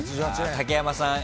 竹山さん